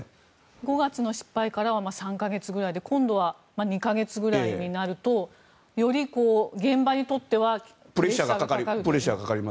５月の失敗からは３か月くらいで今度は２か月ぐらいになるとより現場にとってはプレッシャーがかかる。